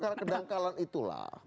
karena kedangkalan itulah